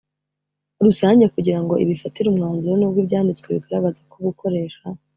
rusange kugira ngo ibifatire umwanzuro N ubwo Ibyanditswe bigaragaza ko gukoresha